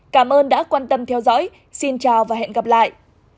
cảm ơn đã quan tâm theo dõi xin chào và hẹn gặp lại